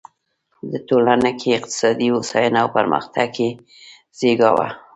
د ټولنه کې اقتصادي هوساینه او پرمختګ یې زېږاوه.